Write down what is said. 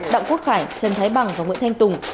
đặng quốc khải trần thái bằng và nguyễn thanh tùng